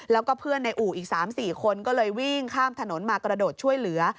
แล้วก็เพื่อนในอู่อีก๓๔คนก็เลยวิ่งข้ามถนนมากระโดดช่วยเหลือ